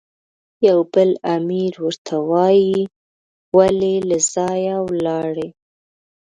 یو بل امیر ورته وایي، ولې له ځایه ولاړې؟